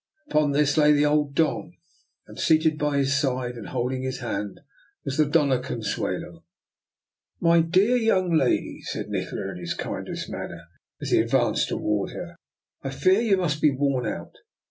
Upon this lay the old Don, and seated by his side, and holding his hand, was the Doiia Consuelo. " My dear young lady," said Nikola in his kindest manner, as he advanced toward her, " I fear you must be worn out.